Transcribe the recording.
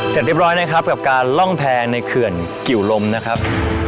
เสร็จเรียบร้อยนะครับกับการล่องแพรในเขื่อนกิวลมนะครับ